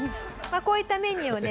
こういったメニューをね